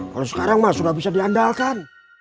kalau sekarang mah sudah bisa diandalkan